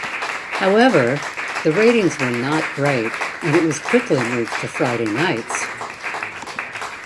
However, the ratings were not great, and it was quickly moved to Friday nights.